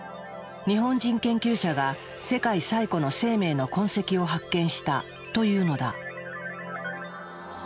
日本人研究者が世界最古の生命の痕跡を発見したというのだ。